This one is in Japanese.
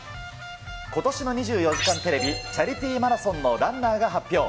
ことしの２４時間テレビ、チャリティーマラソンのランナーが発表。